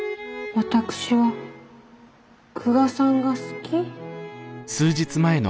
私は久我さんが好き。